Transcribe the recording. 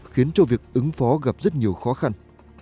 khiến cho việc ứng phó gặp rất nhiều khó khăn